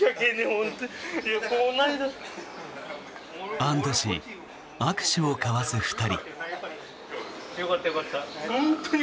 安どし、握手を交わす２人。